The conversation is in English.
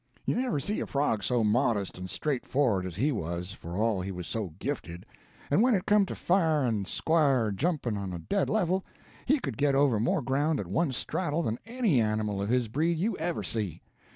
You never see a frog so modest and straightfor'ard as he was, for all he was so gifted. And when it come to fair and square jumping on a dead level, he could get over more ground at one straddle than any animal of his breed you ever see.